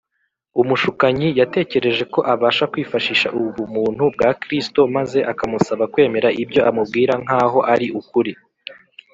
Umushukanyi yatekereje ko abasha kwifashisha ubumuntu bwa Kristo, maze akamusaba kwemera ibyo amubwira nkaho ari ukuri.